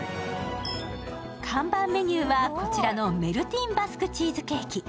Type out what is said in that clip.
看板メニューはこちらのメルティンバスクチーズケーキ。